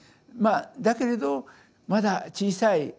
まあだけれどまだ小さい。